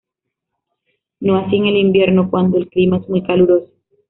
No así en el invierno cuando el clima es muy caluroso.